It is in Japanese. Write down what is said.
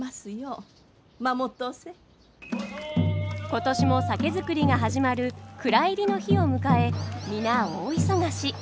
今年も酒造りが始まる蔵入りの日を迎え皆大忙し。